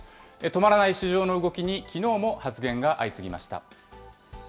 止まらない市場の動きにきのうも発言が相次ぎました。